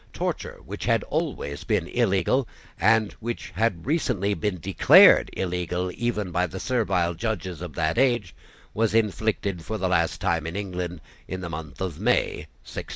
Torture, which had always been illegal, and which had recently been declared illegal even by the servile judges of that age, was inflicted for the last time in England in the month of May, 1610.